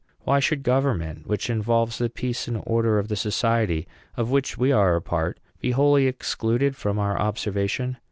Why should government, which involves the peace and order of the society of which we are a part, be wholly excluded from our observation?"